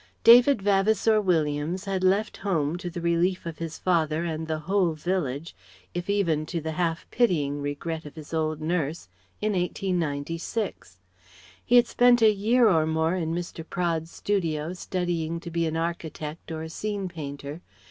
David Vavasour Williams had left home to the relief of his father and the whole village, if even to the half pitying regret of his old nurse, in 1896. He had spent a year or more in Mr. Praed's studio studying to be an architect or a scene painter.